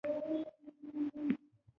د پاکستان د مقاماتو رحم او کرم دې ونه منلو.